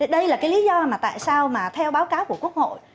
đây là cái lý do mà tại sao mà theo báo cáo của quốc hội